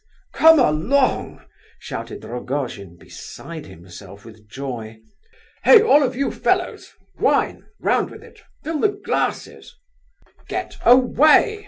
"Come along!" shouted Rogojin, beside himself with joy. "Hey! all of you fellows! Wine! Round with it! Fill the glasses!" "Get away!"